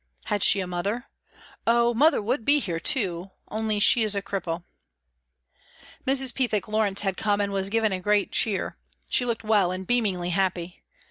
Had she a mother ?" Oh ! mother would be here too, only she is a cripple." Mrs. Pethick Lawrence had come and was given a great cheer. She looked well and beamingly happy.